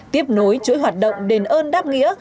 tiếp nối chuỗi hoạt động đền ơn đáp nghĩa